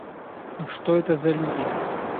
Ну что это за люди?